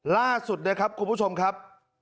ล่าสุดนะครับคุณผู้ชมครับ